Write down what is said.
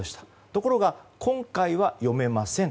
ところが、今回は読めません。